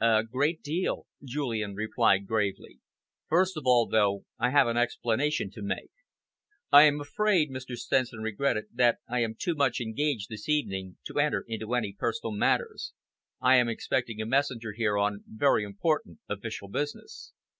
"A great deal," Julian replied gravely. "First of all, though, I have an explanation to make." "I am afraid," Mr. Stenson regretted, "that I am too much engaged this evening to enter into any personal matters. I am expecting a messenger here on very important official business."